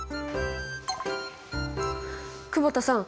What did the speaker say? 久保田さん。